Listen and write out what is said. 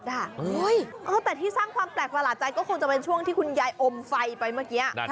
แต่ที่สร้างความแปลกประหลาดใจก็คงจะเป็นช่วงที่คุณยายอมไฟไปเมื่อกี้